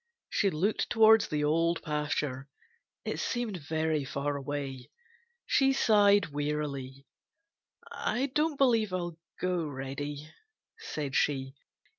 She looked towards the Old Pasture. It seemed very far away. She sighed wearily. "I don't believe I'll go, Reddy," said she.